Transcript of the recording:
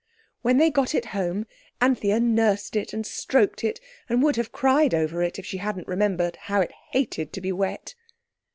When they got it home, Anthea nursed it, and stroked it, and would have cried over it, if she hadn't remembered how it hated to be wet.